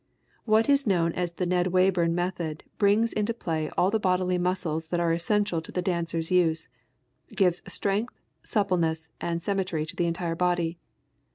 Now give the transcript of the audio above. What is known as the Ned Wayburn method brings into play all the bodily muscles that are essential to the dancer's use, gives strength, suppleness and symmetry to the entire body.